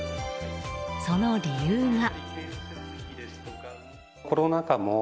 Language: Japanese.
その理由が。